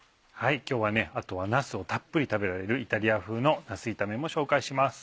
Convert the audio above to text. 今日はあとはなすをたっぷり食べられるイタリア風のなす炒めも紹介します。